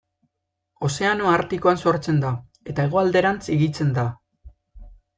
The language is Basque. Ozeano Artikoan sortzen da, eta hegoalderantz higitzen da.